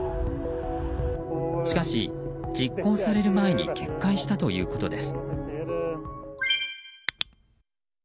しかし実行される前に決壊したということです。